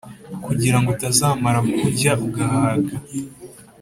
kugira ngo utazamara kurya ugahaga,